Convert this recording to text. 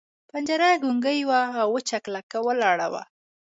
پنجره ګونګۍ وه او وچه کلکه ولاړه وه.